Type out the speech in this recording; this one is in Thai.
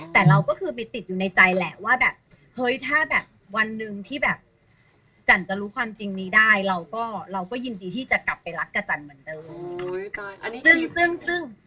แต่เราก็คือไปติดอยู่ในใจแหละว่าแบบเฮ้ยถ้าแบบวันหนึ่งที่แบบจันจะรู้ความจริงนี้ได้เราก็เราก็ยินดีที่จะกลับไปรักกับจันเหมือนเดิม